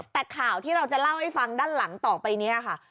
แต่ข่าวที่เราจะเล่าให้ฟังด้านหลังต่อไปนี้ค่ะ